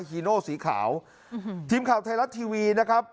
ฮีโนสีขาวทีมข่าวไทยรัฐทีวีนะครับ